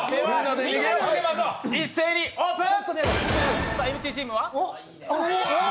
一斉にオープン！